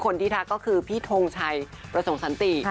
ทักก็คือพี่ทงชัยประสงค์สันติ